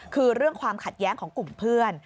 คือเรื่องความขัดแย้งของกลุ่มเพื่อน